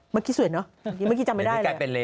เมื่อกี้สวยเนอะเมื่อกี้จำไม่ได้นะ